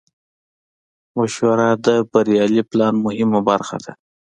مشوره د بریالي پلان مهمه برخه ده.